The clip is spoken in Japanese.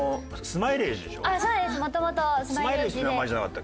スマイレージって名前じゃなかった？